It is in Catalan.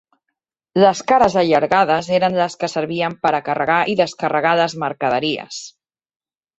Les cares allargades eren les que servien per a carregar i descarregar les mercaderies.